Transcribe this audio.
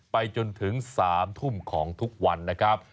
ไปจนถึง๓ทุ่มของทุกวันนะครับ